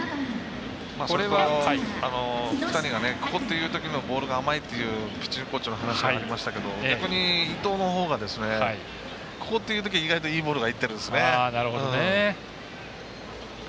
ここっていうところのボールが甘いっていうピッチングコーチの話がありましたが逆に伊藤のほうがここっていうとき、意外といいボールがいってるんですね。